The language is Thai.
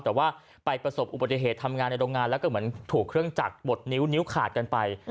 แต่ว่าไปประสบอุบัติเหตุทำงานในโรงงานแล้วก็เหมือนถูกเครื่องจักรบดนิ้วนิ้วขาดกันไป